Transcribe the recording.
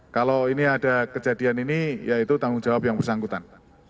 kalau ini ada kejadian ini ya itu tanggung jawab yang bersangkutan